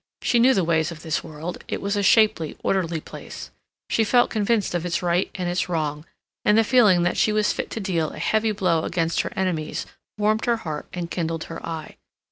She knew the ways of this world; it was a shapely, orderly place; she felt convinced of its right and its wrong; and the feeling that she was fit to deal a heavy blow against her enemies warmed her heart and kindled her eye.